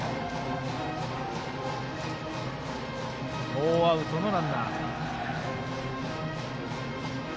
ノーアウトのランナー。